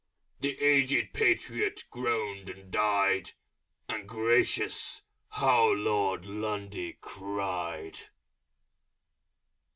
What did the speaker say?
The Aged Patriot groaned and died: And gracious! how Lord Lundy cried!